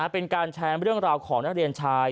เป็นการแชร์เรื่องราวของนักเรียนชาย